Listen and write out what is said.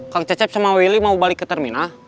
kang cecep sama willy mau balik ke terminal